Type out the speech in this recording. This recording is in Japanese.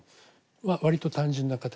わりと単純な形で。